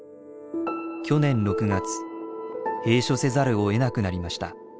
去年６月閉所せざるをえなくなりました。